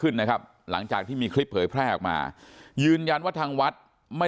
ขึ้นนะครับหลังจากที่มีคลิปเผยแพร่ออกมายืนยันว่าทางวัดไม่